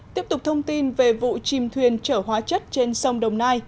tiếp tục thông tin về vụ chìm thuyền trở hóa chất trên sông đồng nai